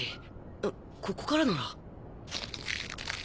あっここからなら